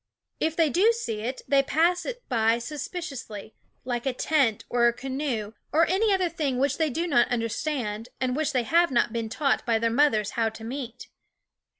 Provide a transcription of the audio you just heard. If they do see it, they pass it by suspiciously, like a tent, or a canoe, or any other thing which they do not understand, and which they have not been taught by their mothers how to meet.